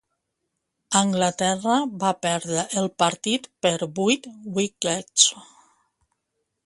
Anglaterra va perdre el partit per vuit wickets.